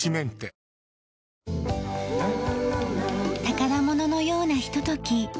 宝物のようなひととき。